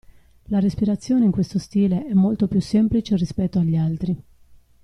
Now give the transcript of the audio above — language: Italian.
La respirazione in questo stile è molto più semplice rispetto agli altri.